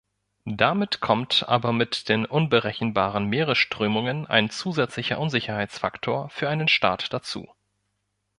Damit kommt aber mit den unberechenbaren Meeresströmungen ein zusätzlicher Unsicherheitsfaktor für einen Start dazu.